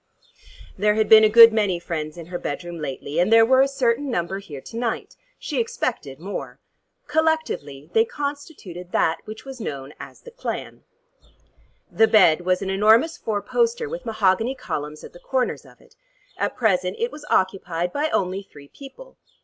There had been a good many friends in her bedroom lately, and there were a certain number here to night. She expected more. Collectively they constituted that which was known as the clan. The bed was an enormous four poster with mahogany columns at the corners of it. At present it was occupied by only three people.